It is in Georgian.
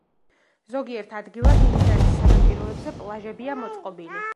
ზოგიერთ ადგილას, მდინარის სანაპიროებზე პლაჟებია მოწყობილი.